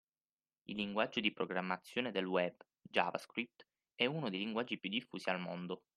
Il linguaggio di programmazione del Web, JavaScript, è uno dei linguaggi più diffusi al mondo.